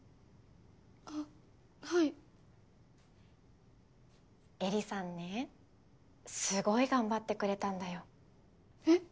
あっはいえりさんねすごい頑張ってくれたんだよえっ？